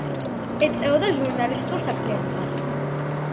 ეწეოდა ჟურნალისტურ საქმიანობას.